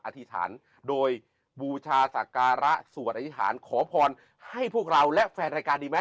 อธิษฐานโดยบูชาศักระสวดอธิษฐานขอพรให้พวกเราและแฟนรายการดีไหม